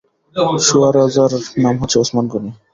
সুয়োরাজার নাম হচ্ছে ওসমান গনি।